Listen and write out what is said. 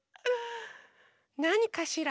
なにかしら？